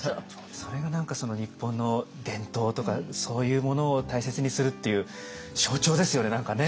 それが何か日本の伝統とかそういうものを大切にするっていう象徴ですよね何かね。